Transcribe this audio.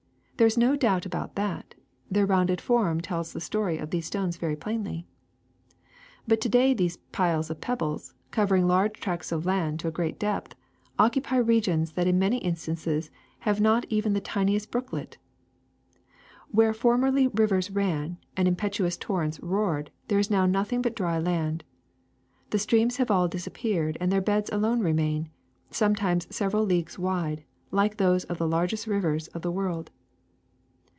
There is no doubt about that: their rounded form tells the story of these stones very plainly. *^But to day these piles of pebbles, covering large tracts of land to a great depth, occupy regions that in many instances have not even the tiniest brook let. Where formerly rivers ran and impetuous tor rents roared, there is now nothing but dry land. The streams have all disappeared and their beds alone remain, sometimes several leagues wide, like those of the largest rivers of the world.